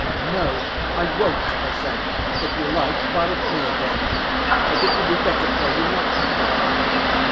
"No, I won't," I said; "if you like, fire at me again, but it would be better for you not to fire."